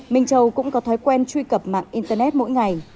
minh châu cũng có thói quen truy cập mạng internet mỗi ngày